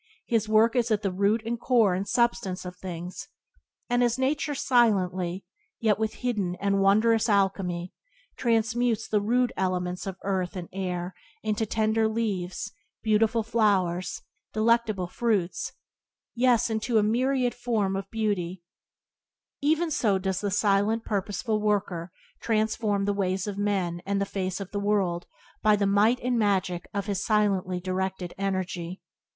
His work is at the root and core and substance of things, and as Nature silently, yet with hidden and wondrous alchemy, transmutes the rude elements of earth and air into tender leaves, beautiful flowers, delectable fruits, — yea into a myriad forms of beauty — even so does the silent purposeful worker transform the ways of men and the face of the world by the might and magic of his silently directed energy.